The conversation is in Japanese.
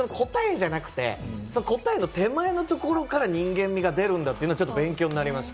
聞かれたお人柄みたいに、あそこの答えじゃなくて答えの手前のところから人間味が出るんだっていうのは、ちょっと勉強になりました。